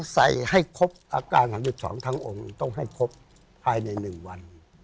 ใส่ให้ครบอาการหันดุชองทั้งองค์ต้องให้ครบภายในหนึ่งวัน